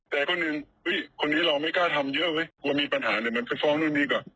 แต่คนหนึ่งคนนี้เราไม่กล้าทำเยอะเว้ยเรามีปัญหาเดี๋ยวมันไปฟ้องนู่นนี่ก่อน